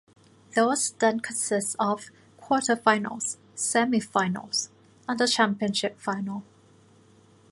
Those then consist of quarter-finals, semi-finals and the championship final.